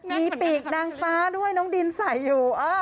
มีปีกนางฟ้าด้วยน้องดินใส่อยู่